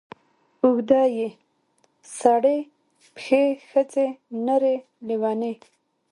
اوږده ې سړې پښې ښځې نرې لېونې